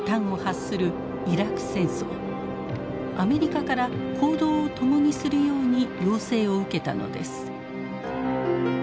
アメリカから行動を共にするように要請を受けたのです。